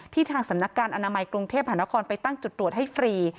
ทางสำนักการอนามัยกรุงเทพหานครไปตั้งจุดตรวจให้ฟรี